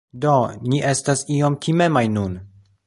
Do, ni estas iom timemaj nun